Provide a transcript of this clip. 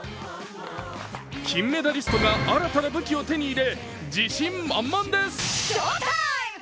金メダリストが新たな武器を手に入れ、自信満々です。